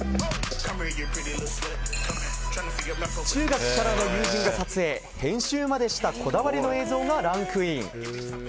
中学からの友人が撮影・編集までしたこだわりの映像がランクイン。